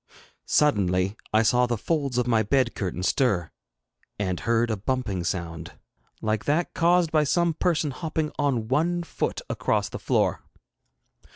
Suddenly I saw the folds of my bed curtain stir, and heard a bumping sound, like that caused by some person hopping on one foot across the floor.